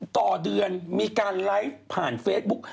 ต่อเดือนมีการไลฟ์ผ่านเฟซบุ๊ก